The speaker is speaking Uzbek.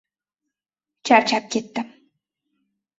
Charchab ketdim.